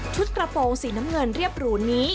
กระโปรงสีน้ำเงินเรียบหรูนี้